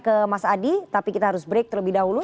ke mas adi tapi kita harus break terlebih dahulu